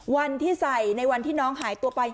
วันที่ใส่ในวันที่น้องหายตัวไป